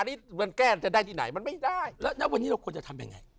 อันนี้มันแก้จะได้ที่ไหนมันไม่ได้แล้วณวันนี้เราควรจะทำยังไง